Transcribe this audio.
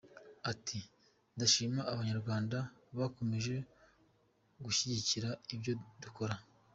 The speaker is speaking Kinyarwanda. Ati “Ndashima abanyarwanda bakomeje gushyigikira ibyo dukora.